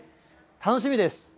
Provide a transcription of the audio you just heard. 楽しみです。